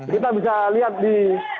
kita bisa lihat di